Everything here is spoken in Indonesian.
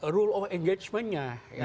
rule of engagement nya